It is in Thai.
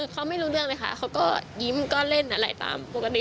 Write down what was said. เขาไม่รู้เรื่องเลยค่ะเขาก็ยิ้มก็เล่นอะไรตามปกติ